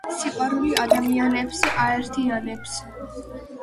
სიყვარული ადამიანებს აერთიანებს.